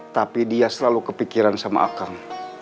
tapi dia selalu kepikiran sama akang